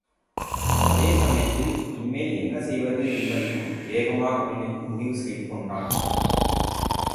அதே சமயத்தில் இனிமேல் என்ன செய்வது என்பதையும் வேகமாக நினைத்து முடிவு செய்துகொண்டான.